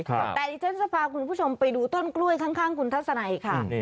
แต่ที่ฉันจะพาคุณผู้ชมไปดูต้นกล้วยข้างคุณทัศนัยค่ะ